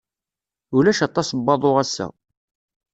Ulac aṭas n waḍu ass-a.